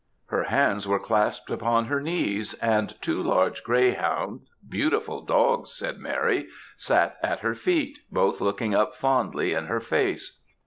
Her hands were clasped upon her knees, and two large greyhounds beautiful dogs, said Mary sat at her feet, both looking up fondly in her face.